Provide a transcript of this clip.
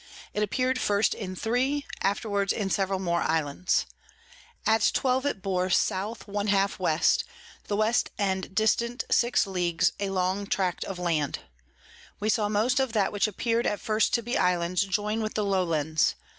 It appear'd first in three, afterwards in several more Islands. At twelve it bore S. 1/2 W. the West End dist. 6 Ls. a long Tract of Land. We saw most of that which appear'd at first to be Islands, join with the low Lands.